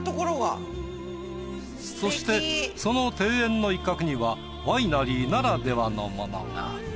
そしてその庭園の一角にはワイナリーならではのものが。